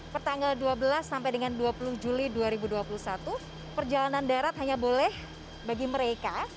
pertanggal dua belas sampai dengan dua puluh juli dua ribu dua puluh satu perjalanan darat hanya boleh bagi mereka